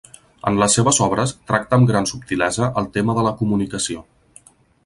En les seves obres tracta amb gran subtilesa el tema de la comunicació.